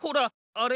あれ？